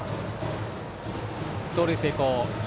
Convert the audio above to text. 盗塁成功。